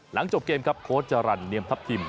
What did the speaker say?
หลังจบเกมครับโค้ชจรรย์เนียมทัพทิม